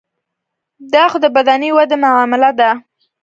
دا خو د بدني ودې معامله ده.